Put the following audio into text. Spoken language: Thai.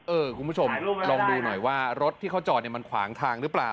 คุณผู้ชมลองดูหน่อยว่ารถที่เขาจอดเนี่ยมันขวางทางหรือเปล่า